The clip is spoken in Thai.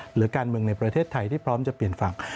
หรือการเมืองในประเทศไทยที่พร้อมจะเปลี่ยนฝั่ง